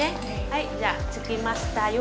はいじゃあ着きましたよ。